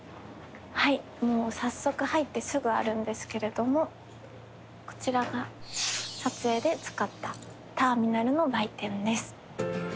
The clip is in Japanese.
はいもう早速入ってすぐあるんですけれどもこちらが撮影で使ったターミナルの売店です。